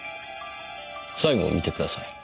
最後を見てください。